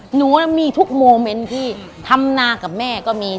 หนูมีทุกโมเมนต์ที่ทำนากับแม่ก็มี